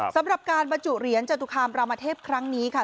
สำหรับการบรรจุเหรียญจตุคามรามเทพครั้งนี้ค่ะ